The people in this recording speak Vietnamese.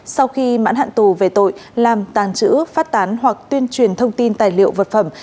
sau khi mãn hạn tù về tội làm tàn trữ phát tán hoặc tuyên truyền thông tin tài liệu vật phẩm